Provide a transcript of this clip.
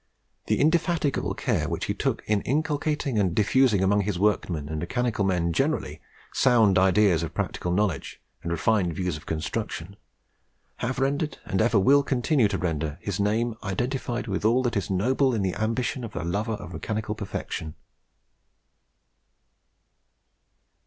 The indefatigable care which he took in inculcating and diffusing among his workmen, and mechanical men generally, sound ideas of practical knowledge and refined views of construction, have rendered and ever will continue to render his name identified with all that is noble in the ambition of a lover of mechanical perfection."